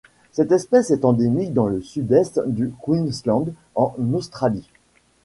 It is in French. Cette espèce est endémique dans le Sud-Est du Queensland en Australie.